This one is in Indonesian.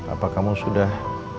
apa kamu sudah